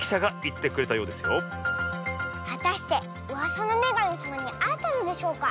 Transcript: はたしてうわさのめがみさまにあえたのでしょうか？